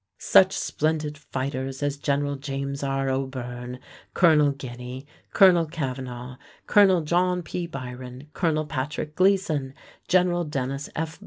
Such splendid fighters as General James R. O'Beirne, Colonel Guiney, Colonel Cavanagh, Colonel John P. Byron, Colonel Patrick Gleason, General Denis F.